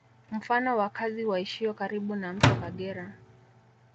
Mfano wakazi waishio karibu na mto Kagera